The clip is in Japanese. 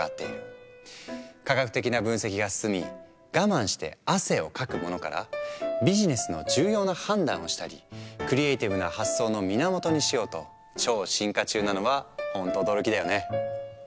科学的な分析が進み我慢して汗をかくものからビジネスの重要な判断をしたりクリエーティブな発想の源にしようと超進化中なのはホント驚きだよね。